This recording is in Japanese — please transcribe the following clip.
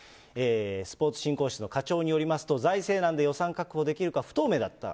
スポーツ振興室の課長によりますと、財政難で予算確保できるか不透明だった。